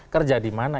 kerja di mana